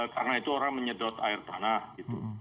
karena itu orang menyedot air tanah gitu